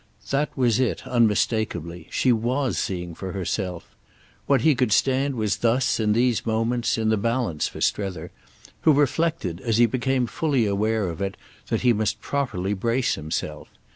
That was it, unmistakeably; she was seeing for herself. What he could stand was thus, in these moments, in the balance for Strether, who reflected, as he became fully aware of it, that he must properly brace himself.